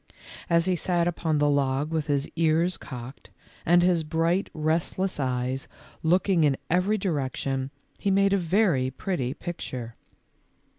As he sat upon the log with his ears cocked, and his bright, restless eyes looking in every direction, he made a very pretty picture.